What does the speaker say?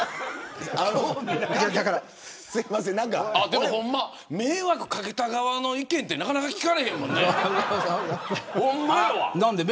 でも、迷惑かけた側の意見ってなかなか聞かれへんもんね。